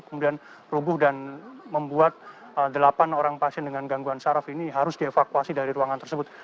kemudian rubuh dan membuat delapan orang pasien dengan gangguan saraf ini harus dievakuasi dari ruangan tersebut